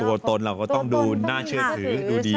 ตัวตนเราก็ต้องดูน่าเชื่อถือดูดี